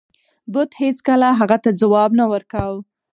بت هیڅکله هغه ته ځواب نه ورکاو.